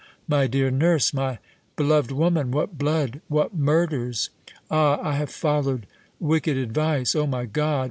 my dear nurse! my beloved woman, what blood! what murders! Ah! I have followed wicked advice! O my God!